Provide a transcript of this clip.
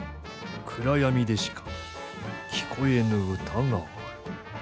暗闇でしか聴こえぬ歌がある。